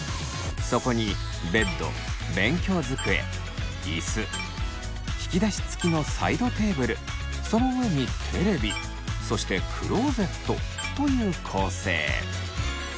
そこにベッド勉強机椅子引き出し付きのサイドテーブルその上にテレビそしてクローゼットという構成。